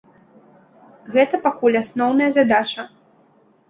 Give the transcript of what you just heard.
Гэта пакуль асноўная задача.